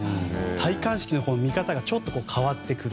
戴冠式の見方がちょっと変わってくる。